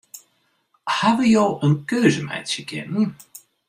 Hawwe jo in keuze meitsje kinnen?